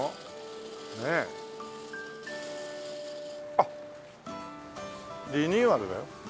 あっリニューアルだよ。